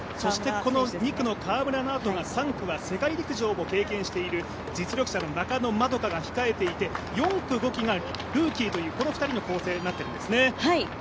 この２区の川村のあとの３区は世界陸上も経験した実力者の中野円花が控えていて、４区、５区がルーキーという構成になっているんですね。